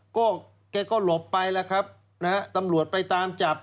ก็แกก็หลบไปแล้วครับนะฮะตำรวจไปตามจับ